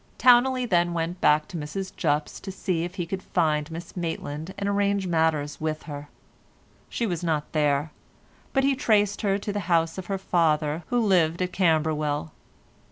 Towneley then went back to Mrs Jupp's to see if he could find Miss Maitland and arrange matters with her. She was not there, but he traced her to the house of her father, who lived at Camberwell.